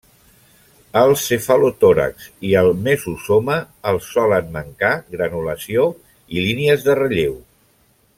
Al cefalotòrax i el mesosoma els solen mancar granulació i línies de relleu.